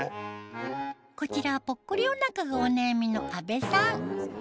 こちらはぽっこりお腹がお悩みの阿部さん